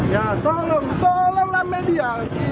ya tolong tolonglah media